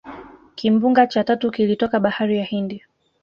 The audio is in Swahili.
Kimbunga cha tatu kilitoka bahari ya hindi